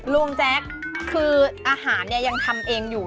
ลุงแจ๊คคืออาหารยังทำเองอยู่